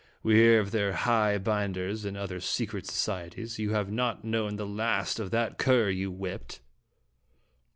We hear of their 'high binders' and other secret societies. You have not known the last of that cur you whipped."